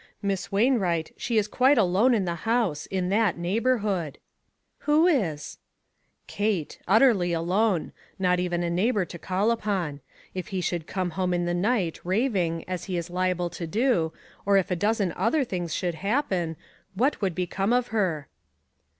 Miss Wainwright, she is quite alone in the house ; in that neighborhood." "Who is?" 5OO ONE COMMONPLACE DAY. " Kate, utterly alone ; not even a n^igh bor to call upon. If he should come home in the night, raving, as he is liable to do, or if a dozen other things should happen, what would become of her?